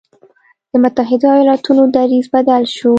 د متحدو ایالتونو دریځ بدل شو.